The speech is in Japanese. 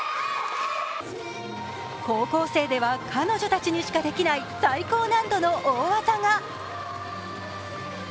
高校生では彼女たちにしかできない最高難度の大技が。